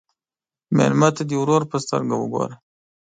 مېلمه ته د ورور په سترګه وګوره.